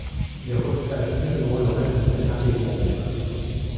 Il rejeta finalement le reste de sa cargaison en mer.